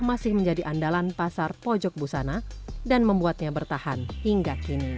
masih menjadi andalan pasar pojok busana dan membuatnya bertahan hingga kini